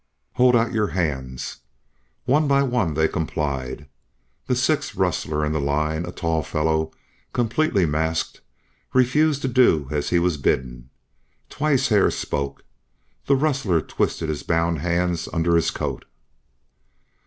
"Hold out your hands." One by one they complied. The sixth rustler in the line, a tall fellow, completely masked, refused to do as he was bidden. Twice Hare spoke. The rustler twisted his bound hands under his coat.